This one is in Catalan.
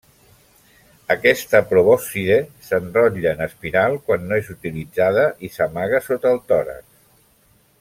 Aquesta probòscide s'enrotlla en espiral quan no és utilitzada i s'amaga sota el tòrax.